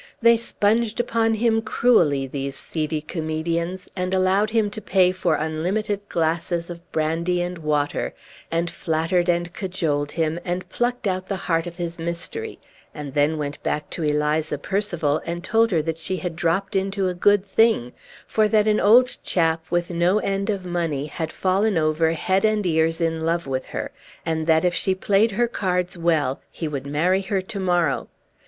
They sponged upon him cruelly, these seedy comedians, and allowed him to pay for unlimited glasses of brandy and water, and flattered and cajoled him, and plucked out the heart of his mystery; and then went back to Eliza Percival, and told her that she had dropped into a good thing, for that an old chap with no end of money had fallen over head and ears in love with her, and that if she played her cards well, he would marry her to morrow.